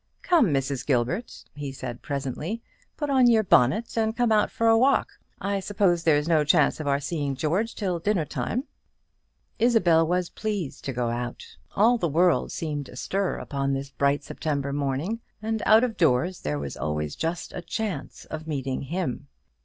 "Come, Mrs. Gilbert," he said, presently, "put on your bonnet, and come out for a walk. I suppose there's no chance of our seeing George till dinner time." Isabel was pleased to go out. All the world seemed astir upon this bright September morning; and out of doors there was always just a chance of meeting him.